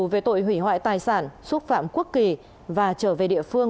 về tội hủy hoại tài sản xúc phạm quốc kỳ và trở về địa phương